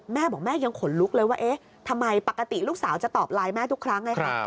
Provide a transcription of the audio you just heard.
แม่บอกแม่ยังขนลุกเลยว่าเอ๊ะทำไมปกติลูกสาวจะตอบไลน์แม่ทุกครั้งไงคะ